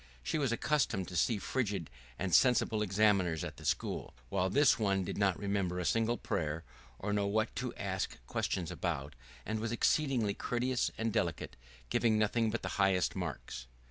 She was accustomed to see frigid and sensible examiners at the school, while this one did not remember a single prayer, or know what to ask questions about, and was exceedingly courteous and delicate, giving nothing but the highest marks.